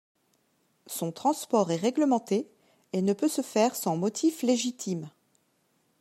Son transport est réglementé et ne peut se faire sans motif légitime.